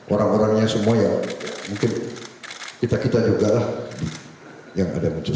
orang orangnya semua ya mungkin kita kita juga lah yang ada muncul